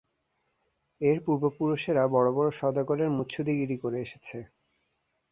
এর পূর্বপুরুষেরা বড়ো বড়ো সওদাগরের মুচ্ছুদ্দিগিরি করে এসেছে।